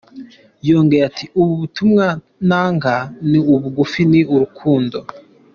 Yongeyeho ati “Ubutumwa ntanga ni bugufi, ni urukundo.